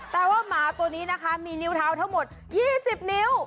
แต่ว่าหมาตัวนี้นะคะมีนิ้วเท้าทั้งหมด๒๐นิ้ว